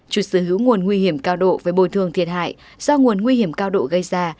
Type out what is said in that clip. chủ sở hữu nguồn nguy hiểm cao độ với bồi thường thiệt hại do nguồn nguy hiểm cao độ gây ra